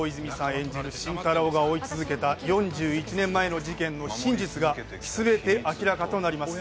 演じる心太朗が追い続けた４１年前の事件の真実が全て明らかとなります。